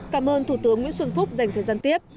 cảm ơn thủ tướng nguyễn xuân phúc dành thời gian tiếp